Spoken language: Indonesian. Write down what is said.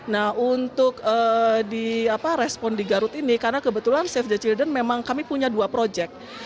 nah untuk di respon di garut ini karena kebetulan safe the childan memang kami punya dua project